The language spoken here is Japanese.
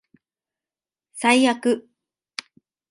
最悪